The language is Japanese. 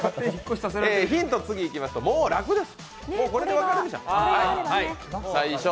ヒント、次、いきましょう、もう楽です。